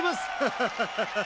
ハハハハハ！